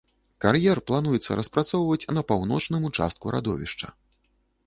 Кар'ер плануецца распрацоўваць на паўночным участку радовішча.